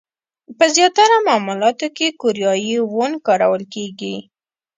په زیاتره معاملاتو کې کوریايي وون کارول کېږي.